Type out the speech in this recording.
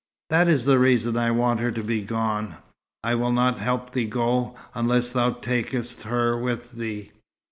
That is the reason I want her to be gone. I will not help thee to go, unless thou takest her with thee."